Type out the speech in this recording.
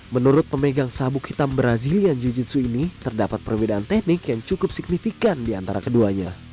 menurut pemegang sabuk hitam brazilian jiu jitsu ini terdapat perbedaan teknik yang cukup signifikan di antara keduanya